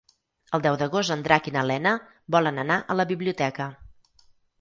El deu d'agost en Drac i na Lena volen anar a la biblioteca.